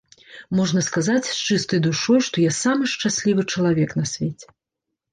Можна сказаць з чыстай душой, што я самы шчаслівы чалавек на свеце.